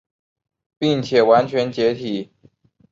并且完全解体。